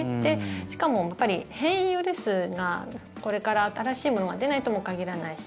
しかも、変異ウイルスがこれから新しいものが出ないとも限らないし